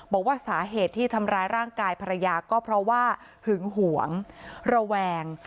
บอกว่าสาเหตุที่ทำร้ายร่างกายภรรยาก็เพราะว่าหึงหวงระแวง